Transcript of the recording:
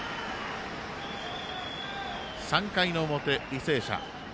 ３回の表、履正社。